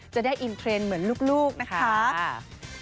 จะได้อินเทรนด์เหมือนลูกนะคะ